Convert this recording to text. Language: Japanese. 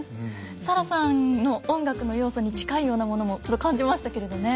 サラさんの音楽の要素に近いようなものもちょっと感じましたけれどね。